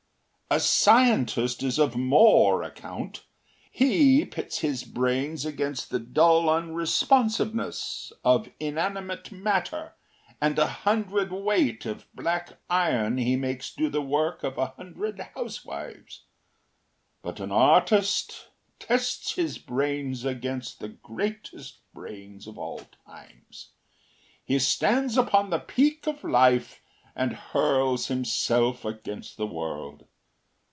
A scientist is of more account he pits his brains against the dull unresponsiveness of inanimate matter and a hundredweight of black iron he makes do the work of a hundred housewives. But an artist tests his brains against the greatest brains of all times; he stands upon the peak of life and hurls himself against the world.